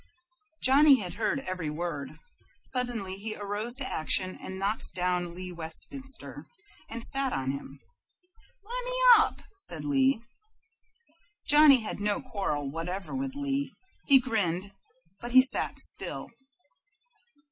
Johnny had heard every word. Suddenly he arose to action and knocked down Lee Westminster, and sat on him. "Lemme up!" said Lee. Johnny had no quarrel whatever with Lee. He grinned, but he sat still.